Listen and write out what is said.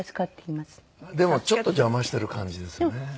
でもちょっと邪魔してる感じですね。